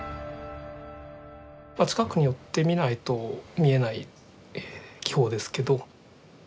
まあ近くに寄ってみないと見えない技法ですけど。